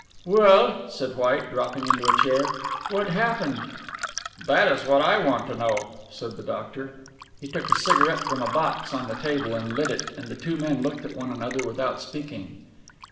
"Well," said White, dropping into a chair, "what happened?" "That is what I want to know," said the doctor. He took a cigarette from a box on the table and lit it and the two men looked at one another without speaking.